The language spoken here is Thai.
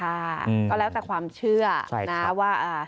ก็แล้วแต่ความเชื่อนะว่า